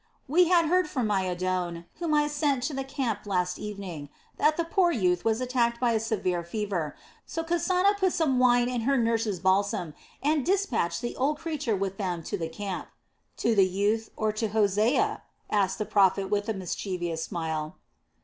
"We had heard from my adon, whom I sent to the camp last evening, that the poor youth was attacked by a severe fever, so Kasana put up some wine and her nurse's balsam, and dispatched the old creature with them to the camp." "To the youth or to Hosea?" asked the prophet with a mischievous smile.